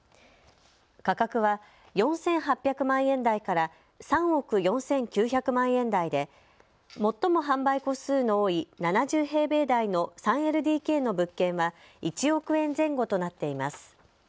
価格は４８００万円台から３億４９００万円台で最も販売戸数の多い７０平米台の３ＬＤＫの物件は１億円前後となっています。